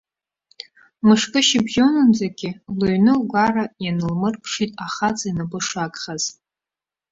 Мышкы шьыбжьаанӡагьы лыҩны-лгәара ианылмырԥшит ахаҵа инапы шагхаз.